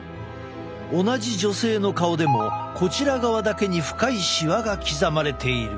同じ女性の顔でもこちら側だけに深いシワが刻まれている。